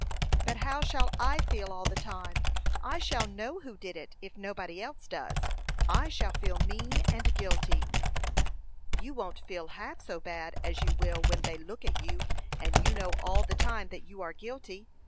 "But how shall I feel all the time? I shall know who did it, if nobody else does. I shall feel mean and guilty." "You won't feel half so bad as you will when they look at you, and know all the time that you are guilty.